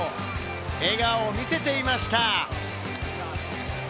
笑顔を見せていました。